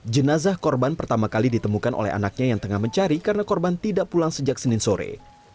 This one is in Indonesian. jenazah korban pertama kali ditemukan oleh anaknya yang tengah mencari karena korban tidak pulang sejak senin sore